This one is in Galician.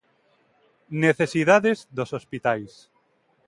Necesidades dos hospitais.